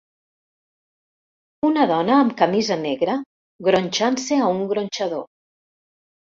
Una dona amb camisa negra gronxant-se a un gronxador.